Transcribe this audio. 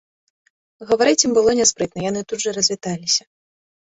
Гаварыць ім было няспрытна, яны тут жа развіталіся.